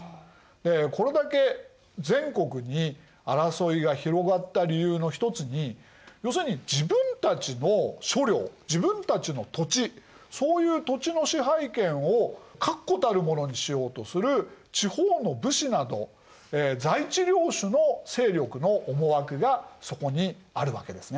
でこれだけ全国に争いが広がった理由のひとつに要するに自分たちの所領自分たちの土地そういう土地の支配権を確固たるものにしようとする地方の武士など在地領主の勢力の思惑がそこにあるわけですね。